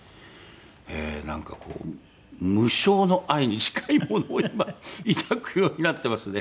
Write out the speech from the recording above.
なんかこう無償の愛に近いものを今抱くようになってますね。